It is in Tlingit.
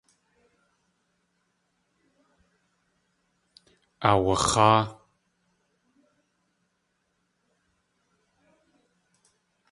Aawax̲áa.